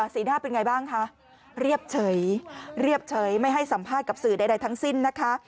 สีหน้าเป็นไงบ้างคะเรียบเฉยเรียบเฉยไม่ให้สัมภาษณ์กับสื่อใดทั้งสิ้นนะคะ